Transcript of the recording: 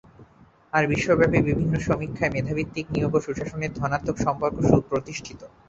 আর বিশ্বব্যাপী বিভিন্ন সমীক্ষায় মেধাভিত্তিক নিয়োগ ও সুশাসনের ধনাত্মক সম্পর্ক সুপ্রতিষ্ঠিত।